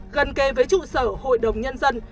gần kề với trụ sở hội đồng nhân dân